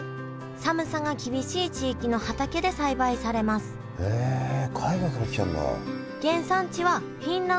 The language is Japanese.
寒さが厳しい地域の畑で栽培されますへえ海外から来てるんだ。